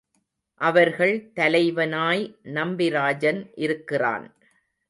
அவர்கள் தலைவனாய் நம்பிராஜன் இருக்கிறான்.